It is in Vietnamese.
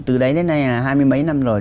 từ đấy đến nay là hai mươi mấy năm rồi